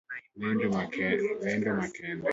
Lendo makende.